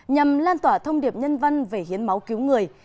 nhằm lan tỏa thông điệp nhân văn về hiến máu cứu người